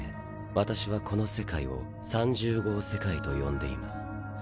私はこの世界を「３０号世界」と呼んでいます。